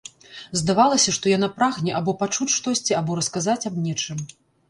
Здавалася, што яна прагне або пачуць штосьці, або расказаць аб нечым.